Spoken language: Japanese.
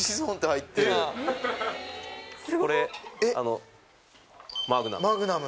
これマグナム。